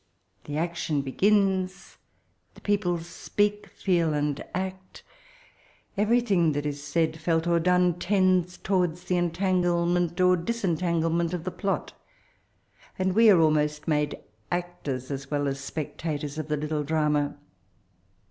The action b^ins ; the people speak, feel, and act ; everything that is said, felt, or done tends towards the en tanglement or disentanglement of the plot ; and we are almost made actors as well as spectators of the little drama.